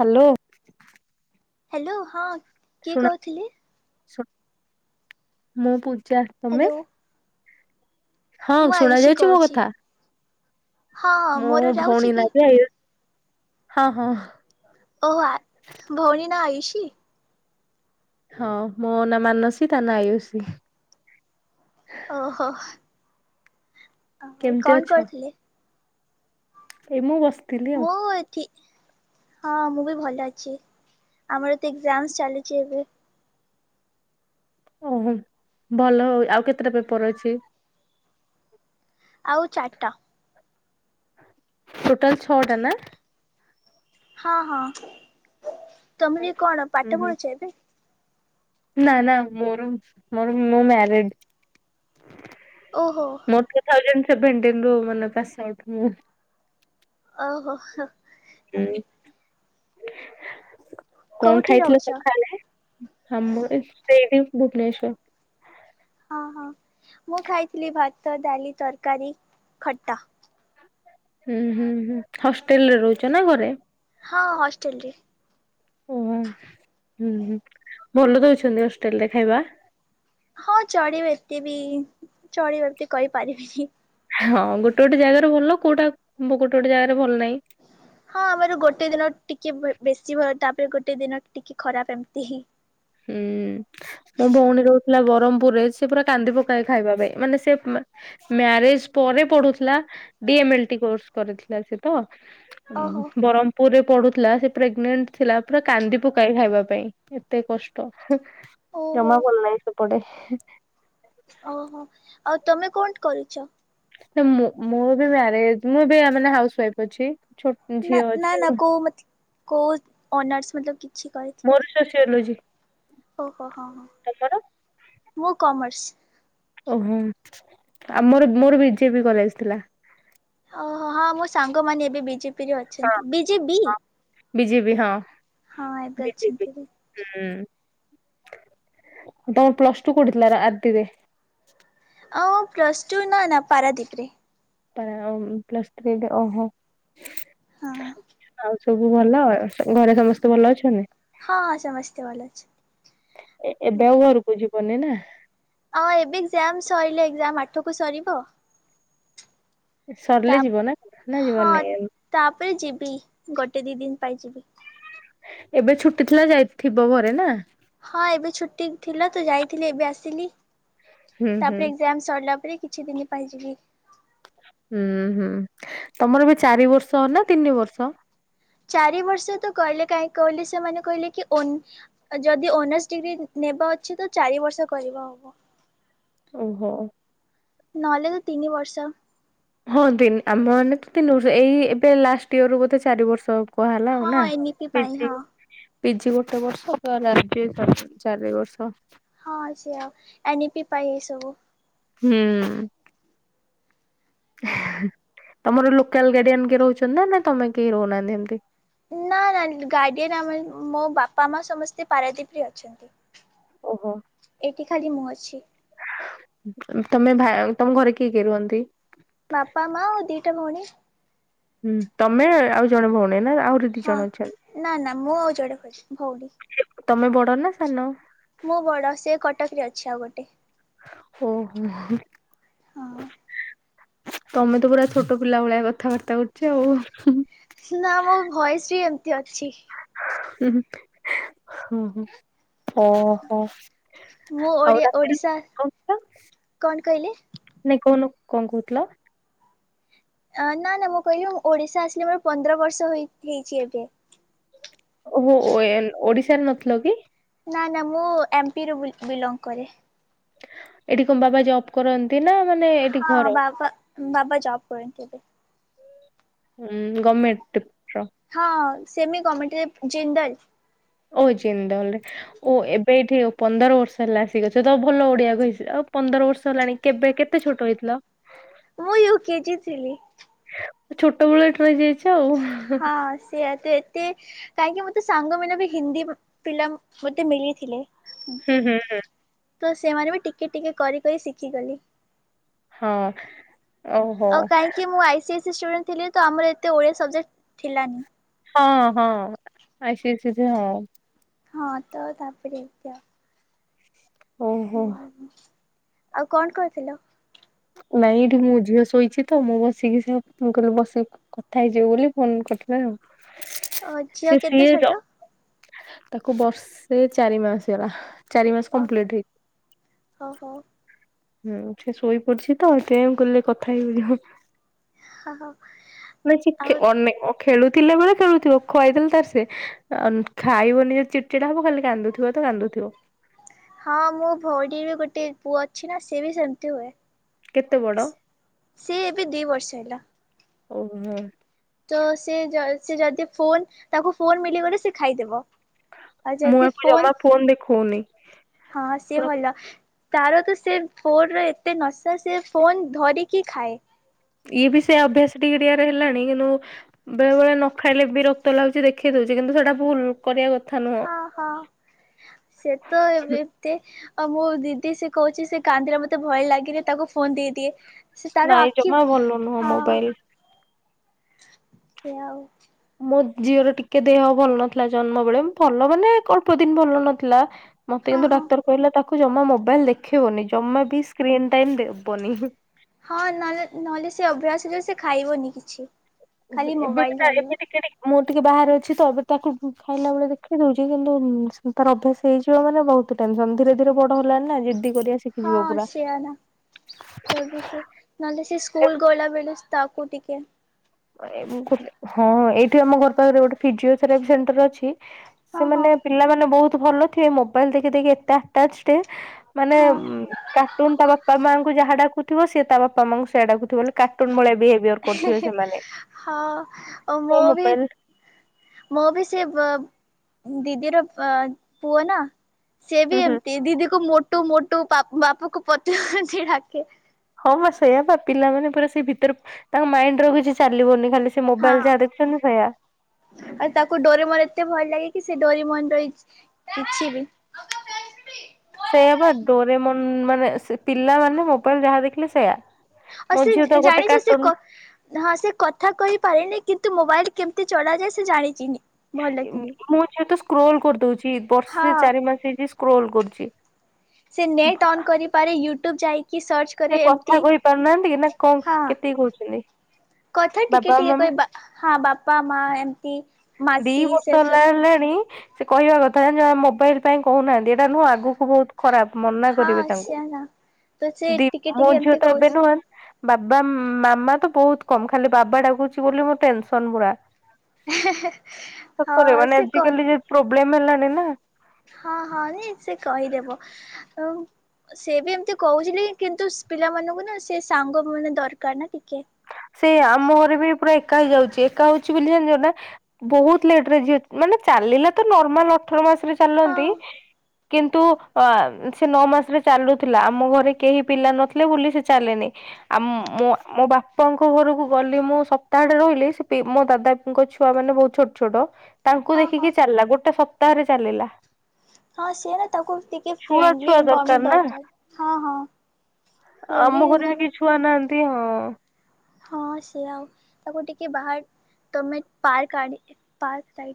Hello hello ହଁ କିଏ ଶୁଣା କହୁଥିଲେ? ଶୁ ମୁଁ ପୂଜା ତମେ? ହ୍ୟାଲୋ ହଁ ମୁଁ ଶୁଣା ଆୟୁଷୀ ଯାଉଛି ମୋ କହୁଛି। କଥା। ହଁ ମୁଁ ମୋର ଯାଉଛି ଭଉଣୀ କି ନବେ ହଁ ହଁ ଓ ହୋ ଆ ଭଉଣୀ ନା ଆୟୁଷୀ ହଁ, ମୋ ନା ମାନସୀ ତା ନାଁ ଆୟୁଷୀ। ଓ ହୋ ଓ ହଉ କେମିତି କଣ ଅଛ? କରଥିଲେ? ଏଇ ମୁଁ ବସ୍ ମୁଁ ଏଠି। ହଁ ମୁଁ ବି ଭଲ ଅଛି ଆମର ଏ ତ ଏକ୍ଜାମସ ଚାଲିଛି ଏବେ। ଓହୋ ଭଲ ହଉ ଆଉ କେତେଟା ପେପର ଅଛି? ଆଉ ଚାରିଟା ଟୋଟାଲ ଛଅ ଟା ନା ହଁ, ହଁ ତମେ ବି କଣ ହୁଁ ପାଠ ହୁଁ ପଢୁଛ ଏବେ? ନା ନା ମୋର ମୋର ମୁଁ ମ୍ୟାରେଡ୍ ଓ ହୋ ମୋର ଟୁ ଥାଉଜେଣ୍ଟେ ସେଭେନଟିନ୍ ରୁ ମାନେପାସ ଆଉଟ୍। ଓ, ହୋ, ହୋ ହୁଁ, କଣ କୋଉଠି ଖାଇଥିଲେ ରହୁଛ? ସଖାଳେ? ହାମର ଏ ସେଇଠି ଭୁବନେସ୍ୱର। ହଁ, ହ, ମୁଁ ଖାଇଥିଲି ଭାତ, ଡାଲି, ତରକାରୀ, ଖଟା ହୁଁ, ହୁଁ, ହୁଁ, ହଷ୍ଟେଲ ରେ ରହୁଛ ନା ଘରେ? ହଁ, ହଷ୍ଟେଲ ରେ ଓ, ହୁଁ, ହୁଁ, ହୁଁ, ଭଲ ଦଉଛନ୍ତି ହଷ୍ଟେଲରେ ଖାଇବା? ହଁ, ଚଢିବ ଏତେ ବି ଚଳିବ ଏତେ କହିପାରିବିନି। ହଁ, ଗୋଟେ, ଗୋଟେ ଜାଗାରେ ଭଲ କୋଉଟା ଗୋଟେ, ଗୋଟେ ଜାଗାରେ ଭଲ ନାହିଁ। ହଁ, ଆମର ଗୋଟେ ଦିନ ଟିକେ ବେ ବେଶୀ ଭଲ ତାପରେ ଗୋଟେ ଦିନ ଟିକେ ଖରାପ ଏମିତି ହିଁ। ହୁଁ ମୋ ଭଉଣୀ ରହୁଥିଲା ବ୍ରହ୍ମପୁର ରେ ସେ ପୁରା କାନ୍ଦି ପକାଏ ଖାଇବା ପାଇଁ ମାନେ ସେ ମ୍ୟାରେଜ ପରେ ପଢୁଥିଲା ଡି ଏମ ଏଲଟି କୋର୍ସ କରିଥିଲା ସେ ତ ହୁ ଓହୋ ବରମ। ପୁରୀ ରେ ପଢୁଥିଲା ସେ ପ୍ରେଗନେଣ୍ଟ ଥିଲା ପୁରା କାନ୍ଦି ପକାଏ ଖାଇବା ପାଇଁ ଏତେ କଷ୍ଟ। ପକ୍ଷ ଓହୋ ଜମା ଭଲ ନାହିଁ ସେପଟେ ହେଁ ଓହୋ ଆଉ ତମେ କୋଉଠି କରୁଛ? ମୁଁ, ମୁଁ ବି ମ୍ୟାରେଜ ମୁଁ ବି ମାନେ ହାଉସ ୱାଇଫ୍ ଅଛି ଛୁ ନା, ନା, ନା କୋଉ ମତ୍ କୋଉ ଅନର୍ସ ମ କିଛି କହିଥିବେ। ସୋସିଓ ଲୋଜି। ଓ ହୋ ହଁ ହଁ‌ ମୁଁ କମର୍ସ। ଓ, ହୁଁ, ଆମର ମୋର ବିଜେପି କଲେଜ ଥିଲା। ଅ ହ ହଁ ମୋ ସାଙ୍ଗମାନେ‌ ବି ବିଜେପି ରେ ଅଛନ୍ତି ବି ଜେ ବି। ବିି‌ ଯେ ବି ହଁ। ହଁ ଏବେ ବିଜେପି ଅଛନ୍ତି ବି। ହୁଁ, ତମର ପ୍ଲସ ଟୁ କୋଉଠି ଥିଲା ର ଆର୍ଡି ରେ। ଅଁ, ପ୍ଲସ୍ ଟୁ ନା, ନା, ପାରାଦୀପରେ। ପା ଅମ ପ୍ଲସ୍ ଥ୍ରୀ ଟା ଓହୋ। ହଁ। ଆଉ ସବୁ ଭଲ ଘରେ ସମସ୍ତେ ଭଲ ଅଛନ୍ତି। ହଁ, ସମସ୍ତେ ଭଲ ଅଛନ୍ତି, ଆଜ୍ଞା। ବୁଝିପାରୁନି ନା। ଅ ଏବେ ଏକ୍ଜାମ ସଇଲେ ଏକ୍ଜାମ ଆଠକୁ ସରିବ। ସରିଲେ ଯିବ ନା ନା ଯିବାର ନାଇ ଏମ୍ ତା ପରେ ଯିବି ଗୋଟେ ଦି ଦିନ ପାଇଁ ଯିବି। ଏବେ ଛୁଟି ଥିଲା ଯାଇଥିବ ଘରେ ନା। ହଁ ଏବେ ଛୁଟି ଥିଲା ତ ଯାଇଥିଲି ଏବେ ଆସିଲି। ହୁଁ ହୁଁ ତାପରେ ଏକ୍ଜାମ ସରିଲା ପରେ କିଛି ଦିନ ପାଇଁ ଯିବି। ହୁଁ ହୁଁ ତମର ଏବେ ଚାରି ବର୍ଷ ନା ତିନି ବର୍ଷ? ଚାରି ବର୍ଷ ତ କହିଲେ କାହିଁକି କହିଲେ ସେମାନେ କହିଲେ କି ଓନ ଯଦି ଓନର୍ସ ଡିଗ୍ରୀ ନେବ ଅଛି ତ ଚାରି ବର୍ଷ କରିବା ହବ। ଓହୋ। ନହେଲେ ତ ତିନି ବର୍ଷ। ହଁ ତିନ ଆମ ମାନେ ତ ତିନି ବର୍ଷ ଏଇ ଏବେ ଲାଷ୍ଟ ଇୟର ରୁ ବୋଧେ ଚାରି ବର୍ଷ। କୁହା ହେଲା ଆଉ ହଁ ନା ଏନ୍ଇପି ପାଇଁ ପିଜି ହଁ ପି ଜି ଗୋଟେ ବର୍ଷ ତ ଗ୍ରାଯୁଏସନ୍ ଚାରି ବର୍ଷ। ହଁ ସେ ୟା ଏନ ଇ ପି ପାଇ ଏ ସବୁ। ହୁଁ। ତମର ଲୋକାଲ ଗାଡିଆନ କିଏ ରହୁଛନ୍ତି ନା ନା ତମେ କେହି ରହୁନାହାନ୍ତି ହେମିତି? ନା ନା ଗାର୍ଡିଆନ ଆମର ମୋ ବାପା ମା ସମସ୍ତେ ପାରାଦୀପରେ ଅଛନ୍ତି। ଓହୋ। ଏଇଠି ଖାଲି ମୁଁ ଅଛି। ତମେ ଭା ତମ ଘରେ କିଏ କିଏ ରୁହନ୍ତି? ବାପା ମା ଓ ଦିଇଟା ଭଉଣୀ। ହୁଁ ତମେ ଆଉ ଜଣେ ଭଉଣୀ ନା ଆଉ ହଁ ନା ନା ମୁଁ ଆଉ ଜଣେ ଖାଲି ଭଉଣୀ। ତମେ ବଡ ନା ସାନ। ମୁଁ ବଡ ସେ କଟକ ରେ ଅଛି ଆଉ ଗୋଟେ। ଓ ହୋ। ହଁ ତମେ ତ ପୁରା ଛୋଟ ପିଲା ଭଳିଆ କଥାବାର୍ତ୍ତା କରୁଛ ଆଉ ହୁଁ ହୁଁ। ନା ମୋ ଭଏସ ବି ଏମିତି ଅଛି। ହୁଁ ହୁଁ ଓହୋ ହ ହ। ମୁଁ ଓଡ଼ିଆ ଓଡିଶା କଣ କହିଲେ? ନାଇ କହୁନ କଁ କହୁଥିଲ? ଅଁ ନା ନା ମୁଁ କହିଲି ମୁଁ ଓଡିଶା ଆସିଲେ ମୋର ପନ୍ଦର ବର୍ଷ ହୋଇ ହେଇଚି ଏବେ। ଓହୋ ଓ ଏଲ ଓଡିଶାରେ ନଥିଲ କି? ନା ନା ମୁଁ ଏମ ପି ରୁ ବି ବିଲଙ୍ଗ କରେ। ଏଠି କଣ ବାବା ଜବ୍ କର ନ୍ତି ନା ମାନେ ଏଠି ହଁ ଘର? ବାବା ବାବା ଜବ କରନ୍ତି ଏବେ। ହୁଁ ଗୋଭମେଣ୍ଟ ହଁ ସେମି ଗମେଣ୍ଟ ଏପ ଜିନ୍ଦଲ। ଓ ଜିନ୍ଦଲ ରେ। ଓ ଏବେ ଏଇଠି ପନ୍ଦର ବର୍ଷ ହେଲା ଆସିକି ଅଛ ତ ଭଲ ଓଡିଆ କହି ସ ଆଉ ପନ୍ଦର ବର୍ଷ ହେଲାଣି। କେବେ କେତେ ଛୋଟ ହେଇଥିଲ? ମୁଁ ୟୁ କେଜି ଥିଲି ଛୋଟ ବେଳୁ ଏଇଠି ରହି ଯାଇ ହଁ ସ ସେୟା ତ ଏତେ କାହିଁକି ମୋତେ ସାଙ୍ଗମାନେ ବି ହିନ୍ଦୀ ଉଁ ପିଲା ମ ମତେ ମିଳିଥିଲେ। ହୁଁ ଏମିତି ହୁଁ ତ ସେମାନେ ବି ଟିକେ ଟିକେ କରି କରି ଶିଖିଗଲି। ହଁ। ଓହୋ ଆଉ କାହିଁକି ମୁଁ I C A C student ଥିଲି ତ ଆମର ଏତେ ଓଡ଼ିଆ ସବଜେକ୍ଟ ଥିଲାନି। ହଁ ହଁ ଆଇ ସି ଏ ସି ଯେ ହଁ। ହଁ ତ ତାପରେ ଏମିତି ଆଉ। ଓହୋ ଓହୋ ଆଉ କଣ କରୁଥିଲ? ନାଇଁ ଏଇଠି ମୋ ଝିଅ ଶୋଇଛି ତ ମୁଁ ବସିକି ସେୟା କହିଲି ବସିକି କଥା ହେଇଯିବ ବୋଲି ଫୋନ କରିଥିଲେ ଆଉ ଓ ଝିଅ ସେ କେତେ ସିଏ ଛୋଟ? ଯ ତାକୁ ବର୍ଷେ ଚାରି ମାସ ହେଲା। ଚାର ମାସ କମ୍ପ୍ଲିଟ୍ ହେଇନି ହଁ ହଉ। ହୁଁ ସେ ଶୋଇ ପଡିଛି ତ ହେଇଥି ପାଇଁ ମୁଁ କହିଲି କଥା ହେଇଯିବ। ହ ହଉ ନାଇ ସେ ଆଉ ଅନେକ ଖେଳୁଥିଲେ ବଳେ ଖେଳୁଥିବ ଖୁଆଇଦେଲେ ତାର ସେ ଅ ଖାଇବନି ଚିଟଚିଟା ହବ ଖାଲି କାନ୍ଦୁଥିବ ତ କାନ୍ଦୁଥିବ। ହଁ ମୋ ଭଉଣୀ ବି ଗୋଟେ ପୁଅ ଅଛି ନା ସେଏ ବି ସେମିତି ହୁଏ। କେତେ ବଡ? ସିଏ ଏବେ ଦି ବର୍ଷ ହେଲା। ଓହୋ। ତ ସେ ସେ ଯଦି ଫୋନ ତାକୁ ଫୋନ ମିଳିଗଲେ ସେ ଖାଇଦବ। ମୁଁ ଆକୁ ଜମା ଫୋନ ଦେଖଉନି। ହଁ ସେ ପୁରା ଭଲ ତାର ତ ସେ ଫୋନ୍ ଏତେ ନସା ସେ ଫୋନ୍ ଧରିକି ଖାଏ। ଇଏ ବି ସେୟା ଅଭ୍ୟାସ ଟିକେ ଟିକେ ହେଲାଣି କିନ୍ତୁ ବେଳେ ବେଳେ ନ ଖାଇଲେ ବିରକ୍ତ ଲାଗୁଛି ଦେଖେଇ ଦଉଛି କିନ୍ତୁ ସେଟା ଭୁଲ କରିବା କଥା ନୁହଁ। ହଁ ହଁ ସେତେ ବି ଏତେ ଆଉ ମୋ ଦିଦି ସେ କହୁଛି ସେ କାନ୍ଦିଲା ମତେ ଭଲ ଲାଗେନି ତାକୁ ଫୋନ ଦେଇଦିଏ। ସେ ତାର ନାଇଁ ଆଖି ଜମା ଭଲ ନୁହଁ ହଁ ମୋବାଇଲ। ସେ ଆଉ ମୋ ଝିଅର ଟିକେ ଦେହ ଭଲ ନଥିଲା ଜନ୍ମ ବେଳେ ଭଲ ମାନେ ଅଳ୍ପ ଦିନ ଭଲ ନଥିଲା ମତେ ହଁ କିନ୍ତୁ ହଁ। ଡାକ୍ତର କହିଲା ତାକୁ ଜମା ମୋବାଇଲ ଦେଖେଇବନି ଜମା ବି ସ୍କ୍ରିନ୍ ଟାଇ ଦେବନି। ହଁ ନହଲେ ନହେଲେ ସେ ଅଭ୍ୟାସରେ ସେ ଖାଇବନି କିଛି। ଖାଲି ଏବେ ବି ମୋବାଇଲ ତା ଧରିବ ଏମିତି [inaudible] ଟିକେ ଟିକେ ମୁଁ ଟିକେ ବାହାରେ ଅଛି ତ ଏବେ ତାକୁ ଖାଇଲା ବେଳେ ଦେଖେଇ ଦଉଛି କିନ୍ତୁ ତାର ଅଭ୍ୟାସ ହେଇଯିବ ମାନେ ବହୁତ ଟେନସନ ଧୀରେ ଧୀରେ ବଡ ହେଲାଣି ନା ଜିଦି କରିବା ସେ ହଁ ସେଇଆ ନା। ତ ବି ସେ ନହେଲେ ସେ ସ୍କୁଲ ଗଲା ବେଳେ ତାକୁ ଟିକେ ହଁ ଏଇଠି ଆମ ଘର ପାଖରେ ଗୋଟେ ଫିଜିଓଥେରାପି ସେଣ୍ଟର ଅଛି ହଁ ହଁ ସେମାନେ ପିଲାମାନେ ବହୁତ ଭଲ ଥିବେ ମୋବାଇଲ ଦେଖି ଦେଖି ଏତେ ଆଟାଚ ମାନେ ହଁ। କାର୍ଟୁନ ତା ବାପା ମାଙ୍କୁ ଯାହା ଡାକୁ ଥିବ ସେ ତା ବାପା ମାଙ୍କୁ ସେଇଆ ଡାକୁଥିବ ମାନେ କାର୍ଟୁନ ଭଳିଆ ବେହେଭ ହେନ୍ ହେନ୍ ହଁ ସେ ମୁଁ ବି ମୋବାଇଲ ମୋ ବି ସେ ଵ ଦିଦିର ପୁଅ ନା ସେ ହୁଁ ବି ହୁଁ। ଏମତି ଦିଦିକୁ ମୋଟୁ ମୋଟୁ ବାପ ବାପାକୁ ପତଲୁ ପତଳୁ ସେ ଡାକେ। ହଁ ବା ସେଇୟା ବା ପିଲାମାନେ ପୁରା ସେ ଭିତରେ ତାଙ୍କ ମାଇଣ୍ଡ ର କିଛି ଚାଲିବନି ଖାଲି ସେ ହଁ ମୋବାଇଲ ଯାହା ଦେଖୁଛନ୍ତି ସେଇଆ। ଆଉ ତାକୁ ଡୋରିମନ ଏତେ ଭଲ ଲାଗେ କି ସେ ଡୋରିମନ ର ପା କିଛି ବି ସେଇଆ ବା ଡୋରେମନ ମାନେ ପିଲାମାନେ ମୋବାଇଲ ଯାହା ଦେଖିଲେ ସେଇୟା। ଅ ସେ ଜାଣିଚ କ ସେ ହଁ ସେ କଥା କହିପାରିନି କିନ୍ତୁ ମୋବାଇଲ କେମିତି ଚଳାଯାଏ ସେ ଜାଣିଚି ହିଁ। ଏ ମୁ ମୁଁ ଯେହେତୁ ସ୍କ୍ରୋଲ କରିଦଉଛି ବର୍ଷେ ହଁ ଚାରି ମାସ ହେଇଛି ସ୍କ୍ରୋଲ କରୁଚି। ସେ ନେଟ୍ ଅନ୍ କରିପାରେ ୟୁଟ୍ୟୁବ୍ ଯାଇକି ସର୍ଚ୍ଚ ସେ କରେ ଏମତି କଥା କହି ପାରୁନାହାନ୍ତି କି ନା କଣ ହଁ କେତିକି କହୁଛନ୍ତି କଥା ଟିକେ ବାବା ଟିକେ ମାମା କହି ବା ହଁ ବାପା ମା ଏମିତି ଦି ମାସି ବର୍ଷ ସେ ସବୁ ହେଲା ହେଲାଣି ସେ କହିବା କଥା ଆ ଯେ ମୋବାଇଲ ପାଇଁ କହୁନାହାନ୍ତି ଏଇଟା ନୁହଁ ଆଗକୁ ବହୁତ ଖରାପ ମନା କରିବେ ହଁ ତାଙ୍କୁ ସିଏ ନା ତ ସେ ଦି ଟିକେ ମୋ ଟିକେ ଝିଅ ଏମିତି ତ ଏବେ କହୁଛି ନୁହେଁ ବାବା ମାମା ତ ବହୁତ କମ ଖାଲି ବାବା ଡାକୁୁଛି ବୋଲି ମୋ ଟେନସନ ପୁରା। [inaudible] ସତରେ ମାନେ ସେ କହି ଆଜିକାଲି ଯୋଉ ପ୍ରୋବ୍ଲେମ ହେଲାଣି ନା ହଁ ହଁ ନାଇ ସେ କହିଦେବ ଆଉ ସେ ବି ଏମିତି କହୁଚି ବି କିନ୍ତୁ ପିଲାମାନଙ୍କୁ ନା ସେ ସାଙ୍ଗ ମାନେ ଦରକାର ନା ଟିକେ। ସେ ଆମ ଘରେ ବି ପୁରା ଏକା ହେଇଯାଉଚି ଏକା ହଉଛି ବୋଲି ଜାଣିଚ ନା ବହୁତ ଲେଟରେ ଯେ ଅ ମାନେ ଚାଲିଲା ତ ନର୍ମାଲ ଅଠର ମାସରେ ହଁ ଚାଲନ୍ତି। କିନ୍ତୁ ଅ ସେ ନଅ ମାସରେ ଚାଲୁଥିଲା ଆମ ଘରେ କେହି ପିଲା ନଥିଲେ ବୋଲି ସେ ଚାଲେନି। ଆଁ ମୋ ମୋ ବା ପାଙ୍କ ଘରକୁ ଗଲି ମୁଁ ସପ୍ତାହଟେ ରହିଲି ସେ ମୋ ଦାଦାଙ୍କ ଛୁଆ ମାନେ ବହୁତ ଛୋଟ ଛୋଟ ତାଙ୍କୁ ହଁ ହଁ ଦେଖିକି ଚାଲିଲା ଗୋଟେ ସପ୍ତାହରେ ଚାଲିଲା। ହଁ ସେ ନା ତାକୁ ଟିକେ ଛୁଆ ଫ୍ରେଣ୍ଡଲି ଛୁଆ ଇନଭାରମେଣ୍ଟ ନା ଦରକାର ହଁ ହଁ। ଆମ ଫ୍ରେଣ୍ଡଲି ଘରେ ବି କିହି ଇନଭରମେଣ୍ଟ ଛୁଆ ନାହାନ୍ତି ହଁ। ହଁ ସେ ଆଉ ତାକୁ ଟିକେ ବାହର ତମେ ପାର୍କ ଆଡି ପାର୍କ ଟାଇ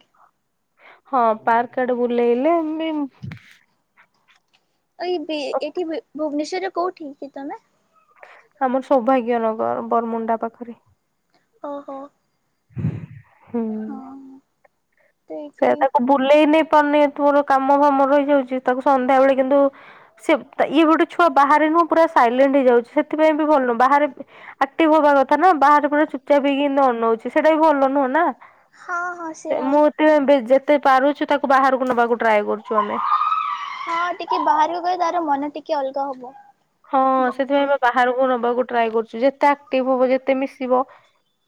ହଁ ପାର୍କ ଆଡେ ବୁଲେଇଲେ ହିଁ ବି ଏଇ ବି ଏଠି ବି ଭୁବନେଶ୍ଵରରେ କୋଉଠି କି ତମେ। ଆମର ସୌଭାଗ୍ୟ ନଗର ବରମୁଣ୍ଡା ପାଖରେ। ଓହୋ। ହୁଁ। ହଁ ତ ସେୟା ଏଇଠି ତାକୁ ବୁଲେଇ ନେଇ ପାରୁନି ଏଇଠୁ କାମ ଫାମ ରହିଯାଉଛି ତାକୁ ସନ୍ଧ୍ୟା ବେଳେ କିନ୍ତୁ ସେ ଇଏ ଗୋଟେ ଛୁଆ ବାହାରେ ନୁହଁ ପୁରା ସାଇଲେଣ୍ଟ ହେଇଯାଉଚି ସେଥିପାଇଁ ବି ଭଲ ନୁହଁ ବାହାରେ ଆକ୍ଟିଭ ହବା କଥା ନା ବାହାରେ ପୁରା ଚୁପଚାପ୍ ହେଇକି ଏମତି ଅନଉଛି ସେଇଟା ବି ଭଲ ନୁହେଁ ନା। ହଁ ହଁ ସେୟା ମୁଁ ଏଥି ପାଇଁ ଯେତେ ପାରୁଚୁ ତାକୁ ବାହାରକୁ ନବାକୁ ଟ୍ରାଏ କରୁଚୁ ଆମେ। ହଁ ଟିକେ ବାହାରକୁ ଗଲେ ତାର ମନ ଟିକେ ଅଲଗା ହବ। ହଁ ସେଥିପାଇଁ ଯେମିତି ଆମେ ବାହାରକୁ ନବାକୁ ଟ୍ରାଏ କରୁଚୁ ଯେତେ ଆକ୍ଟିଭ ହବ ଯେତେ ମିଶିବ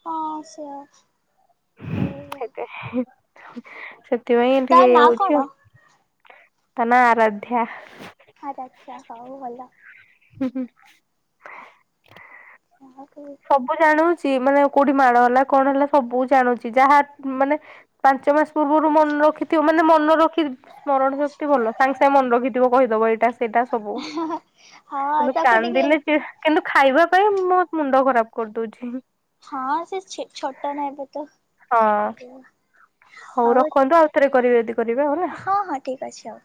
ହଁ ସେୟା ହଉ ହଉ [inaudible] ସେଥିପାଇଁ ତା ଟିକେ ଇଏ ନାଁ ହଉଚି କଣ? ତା ନା ଆରାଧ୍ୟା। ଆରାଧ୍ୟା ହଉ ଭଲ। ହୁଁ ହୁଁ। ସବୁ ଜାଣୁଚି ମାନେ କୋଉଠି ମାଡ଼ ହେଲା କଣ ହେଲା ସବୁ ଜାଣୁଚି ଯାହା ମାନେ ପାଞ୍ଚ ମାସ ପୂର୍ବରୁ ମନ ରଖ ଥିବ ମାନେ ମନେ ରଖି ସ୍ମରଣ ଶକ୍ତି ଭଲ ସାଙ୍ଗେ ସାଙ୍ଗେ ମନେ ରଖିଥିବ କହିଦେବ ଏଇଟା ସେଇଟା ସବୁ ହଁ କିନ୍ତୁ ତାକୁ ଟିକେ କାନ୍ଦିଲେ ସେ କିନ୍ତୁ ଖାଇବା ପାଇଁ ମୋ ମୁଣ୍ଡ ଖରାପ କରିଦଉଚି। ହଁ ସେ ଛେ ଛୋଟ ନା ଏବେ ତ। ହଁ କରିବ ହଉ ରଖନ୍ତୁ ଆଉ ଥରେ କରିବେ ଦି ହଁ ହଁ ଠିକ୍ ଅଛି ଆଉ।